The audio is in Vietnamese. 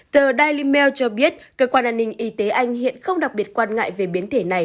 tờ daily mail cho biết cơ quan an ninh y tế anh hiện không đặc biệt quan ngại về biến thể này